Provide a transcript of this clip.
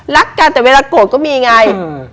รักกันแต่เวลาโกรธก็มีไง